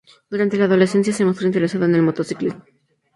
Durante la adolescencia, se mostró interesado en el motociclismo.